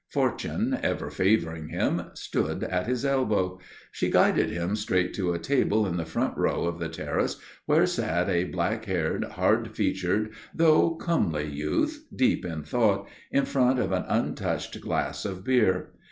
Fortune, ever favoring him, stood at his elbow. She guided him straight to a table in the front row of the terrace where sat a black haired, hard featured though comely youth deep in thought, in front of an untouched glass of beer.